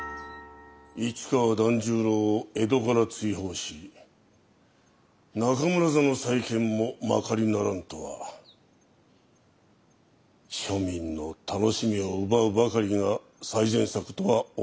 市川團十郎を江戸から追放し中村座の再建もまかりならんとは庶民の楽しみを奪うばかりが最善策とは思えませぬが。